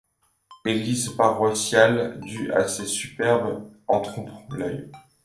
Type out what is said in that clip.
L'église paroissiale du et ses superbes en trompe-l’œil.